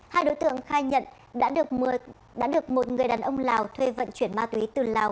hai đối tượng khai nhận đã được một người đàn ông lào thuê vận chuyển ma túy từ lào